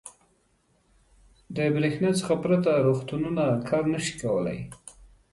• د برېښنا څخه پرته روغتونونه کار نه شي کولی.